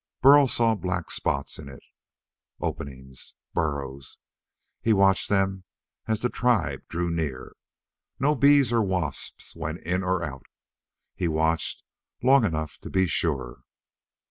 Burl saw black spots in it openings. Burrows. He watched them as the tribe drew near. No bees or wasps went in or out. He watched long enough to be sure.